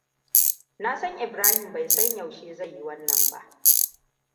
Na san Ibrahim bai san yaushe zan yi wannan ba.